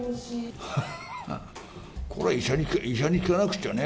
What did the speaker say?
これは医者に聞かなくちゃね。